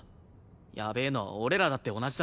やべえのは俺らだって同じだろ。